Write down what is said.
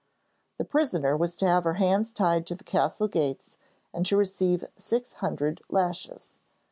The prisoner was to have her hands tied to the castle gates and to receive six hundred lashes.